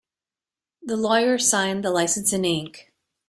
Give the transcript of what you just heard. The lawyer signed the licence in ink.